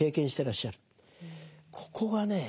ここがね